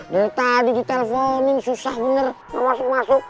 dari tadi diteleponin susah bener ngasuk masuk